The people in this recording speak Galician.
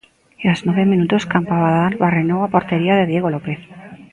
E aos nove minutos Campabadal barrenou a portería de Diego López.